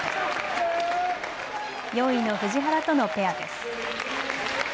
４位の藤原とのペアです。